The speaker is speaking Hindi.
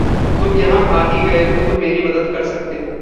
तुम यहाँ आ ही गए हो तो मेरी मदद कर सकते हो।